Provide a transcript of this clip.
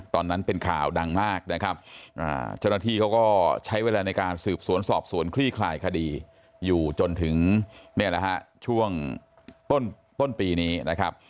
ตอนนั้นเป็นข่าวดังมากจนที่เขาก็ใช้เวลาในการสืบสวนสอบสวนคลี่คลายคดีอยู่จนถึงช่วงต้นปีนี้